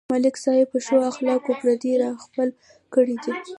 ملک صاحب په ښو اخلاقو پردي راخپل کړي دي.